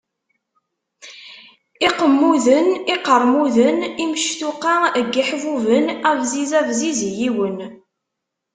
Iqemmuden, iqeṛmuden, imectuqa n yiḥbuben, abziz, abziz i yiwen.